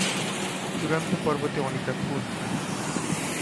চূড়ান্ত পর্বতে অনিতা খুন!